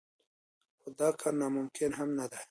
خو دا کار ناممکن هم نه دی.